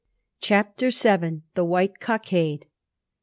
CHAPTER YIL THE WHITE COCKADE.